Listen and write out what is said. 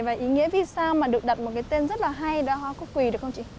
và ý nghĩa vì sao mà được đặt một cái tên rất là hay đã hoa cúc quỳ được không chị